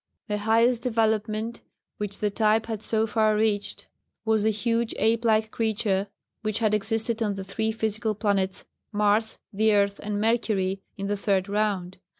The highest development which the type had so far reached was the huge ape like creature which had existed on the three physical planets, Mars, the Earth and Mercury in the Third Round.